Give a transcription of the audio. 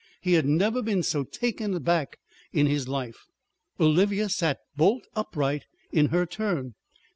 He had never been so taken aback in his life. Olivia sat bolt upright in her turn.